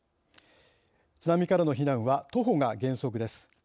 津波からの避難は徒歩が原則です。